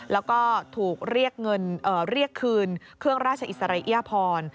แล้วก็ถูกเรียกคืนเครื่องราชอิสริยพร